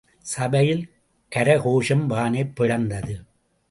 சபையில் கரகோஷம் வானைப் பிளந்தது.